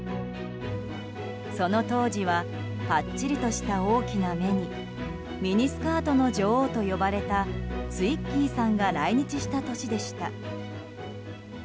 その当時はぱっちりとした大きな目にミニスカートの女王と呼ばれたツイッギーさんが来日した年でした。